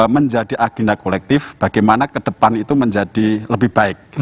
menjadi agenda kolektif bagaimana ke depan itu menjadi lebih baik